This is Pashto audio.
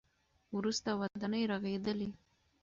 وروسته ودانۍ رغېدلې.